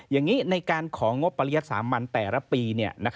อย่างนี้ในการของงบปริยัติสามัญแต่ละปี